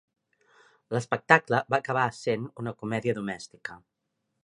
L"espectacle va acabar sent una comèdia domèstica.